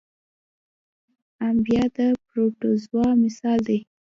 امیبا د پروټوزوا مثال دی